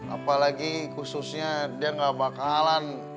apalagi khususnya dia gak bakalan